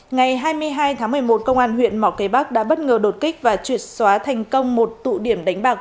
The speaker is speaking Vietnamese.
ngày hai mươi hai tháng một mươi một công an huyện mỏ cây bắc đã bất ngờ đột kích và triệt xóa thành công một tụ điểm đánh bạc